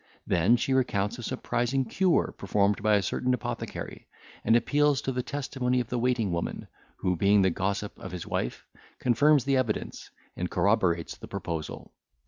Then she recounts a surprising cure performed by a certain apothecary, and appeals to the testimony of the waiting woman, who being the gossip of his wife, confirms the evidence, and corroborates the proposal.